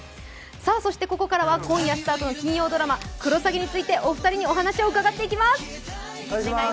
そしてここからは今夜スタートの金曜ドラマ「クロサギ」についてお二人にお話を伺っていきます。